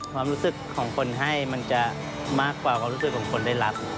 ความรู้สึกของคนให้มันจะมากกว่าความรู้สึกของคนได้รับ